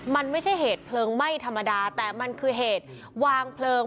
มันไม่ใช่เหตุเพลิงไหม้ธรรมดาแต่มันคือเหตุวางเพลิง